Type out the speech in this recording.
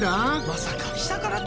まさか！